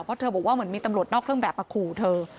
เพราะเธอบอกว่าเหมือนมีตำรวจนอกเครื่องแบบมาขู่เธอ